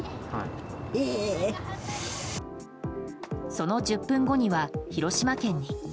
その１０分後には広島県に。